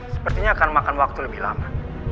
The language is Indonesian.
sepertinya akan makan waktu lebih lama